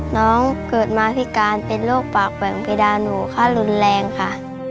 น้องเกิดมาพิการเป็นโรคปากแหว่งเพดานหนูขั้นรุนแรงค่ะ